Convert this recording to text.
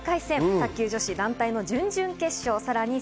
卓球女子団体の準々決勝。